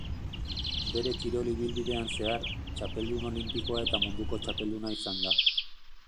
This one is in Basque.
Bere kirol-ibilbidean zehar, txapeldun olinpikoa eta munduko txapelduna izan da.